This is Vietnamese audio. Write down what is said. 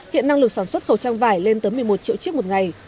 hiện năng lực sản xuất khẩu trang vải lên tới một mươi một triệu chiếc một ngày